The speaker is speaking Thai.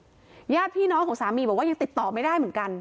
ญาติพี่น้องของสามีบอกว่ายังติดต่อไม่ได้เหมือนกัน